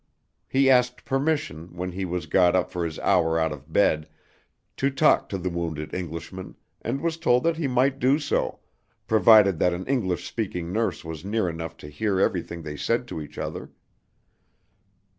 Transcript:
He asked permission, when he was got up for his hour out of bed, to talk to the wounded Englishman, and was told that he might do so, provided that an English speaking nurse was near enough to hear everything they said to each other.